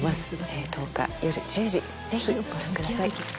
１０日夜１０時ぜひご覧ください。